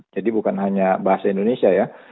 jadi bukan hanya bahasa indonesia ya